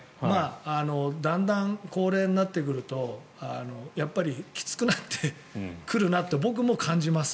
だんだん高齢になってくるときつくなってくるなと僕も感じます。